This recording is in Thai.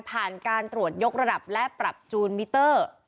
ผ่านการตรวจยกระดับและปรับจูนมิเตอร์